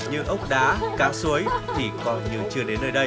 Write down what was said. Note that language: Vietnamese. như ốc đá cá suối thì coi như chưa đến nơi đây